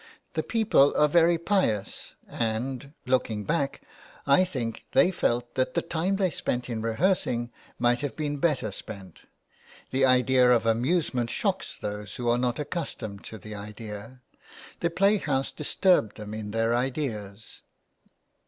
The people are very pious, and, looking back, I think they felt that the time they spent in rehearsing might have been better spent. The idea of amusement shocks those who are not accustomed to the idea. The play house disturbed them in their ideas.